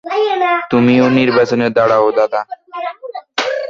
তুমিও নির্বাচনে দাড়াও, দাদা।